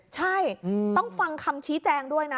ใช่ต้องฟังคำชี้แจงด้วยนะ